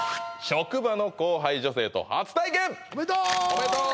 おめでとう！